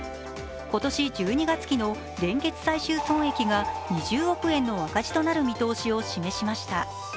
今年１２月期の連結最終損益が２０億円の赤字となる見通しを示しました。